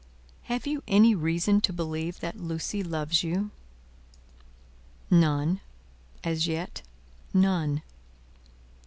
Have you any reason to believe that Lucie loves you?" "None. As yet, none."